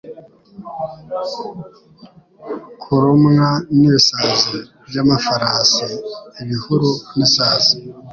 kurumwa n'ibisazi by'amafarasi ibihuru n'isazi